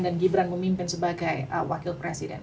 dan gibran memimpin sebagai wakil presiden